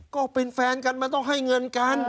ก็เป็นแฟนกันมันต้องให้เงินกัน